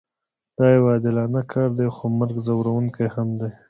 دا یو عادلانه کار دی خو مرګ ځورونکی هم دی